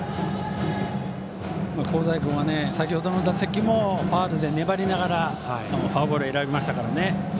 香西君は、先程の打席もファウルで粘りながらフォアボールを選びましたからね。